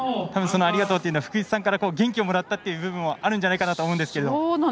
そのありがとうというのは福士さんから元気をもらったという部分もあるんじゃないかと思うんですが。